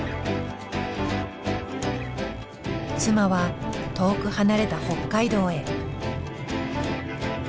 妻は遠く離れた北海道へ。